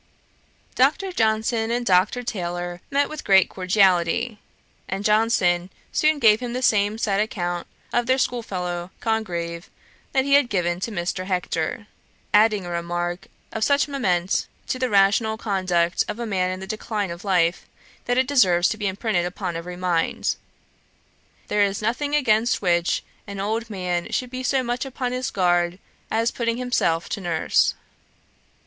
Dr. Johnson and Dr. Taylor met with great cordiality; and Johnson soon gave him the same sad account of their school fellow, Congreve, that he had given to Mr. Hector; adding a remark of such moment to the rational conduct of a man in the decline of life, that it deserves to be imprinted upon every mind: 'There is nothing against which an old man should be so much upon his guard as putting himself to nurse.'